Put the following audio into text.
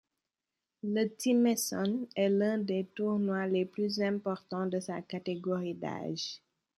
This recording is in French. Le Tim Essonne est l'un des tournois les plus importants de sa catégorie d'âge.